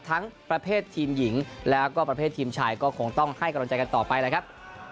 ทั้งประเภททีมหญิงแล้วก็ประเภททีมชายก็คงต้องให้กำลังใจกันต่อไปแหละครับ